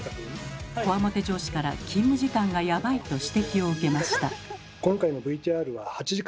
こわもて上司から勤務時間がヤバいと指摘を受けました。え？